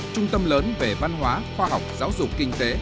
trung tâm lớn về văn hóa khoa học giáo dục kinh tế